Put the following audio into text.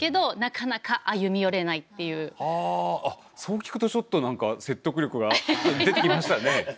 そう聞くとちょっと何か説得力が出てきましたね。